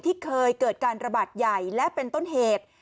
ที่เคยเกิดการระบาดใหญ่และเป็นต้นเหตุ